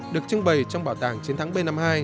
được trưng bày trong bảo tàng chiến thắng b năm mươi hai